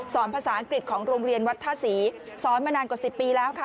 ภาษาอังกฤษของโรงเรียนวัดท่าศรีสอนมานานกว่า๑๐ปีแล้วค่ะ